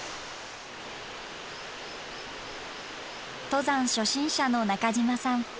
登山初心者の中島さん。